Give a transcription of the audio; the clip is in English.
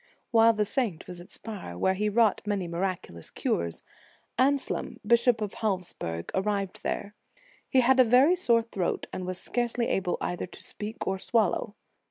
165 While the saint was at Spire, where he wrought many miraculous cures, Anselm, bishop of Havelsperg, arrived there. He had a very sore throat, and was scarcely able either to speak or swallow.